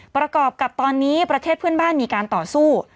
ประกอบกับตอนนี้ประเทศเพื่อนบ้านมีการต่อสู้